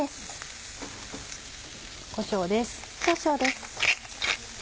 こしょうです。